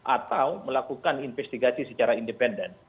atau melakukan investigasi secara independen